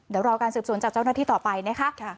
เดี๋ยวรอการสืบสวนจากเจ้าหน้าที่ต่อไปนะคะ